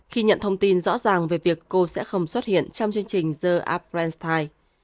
khi nhận thông tin rõ ràng về việc cô sẽ không xuất hiện trong chương trình the abrentine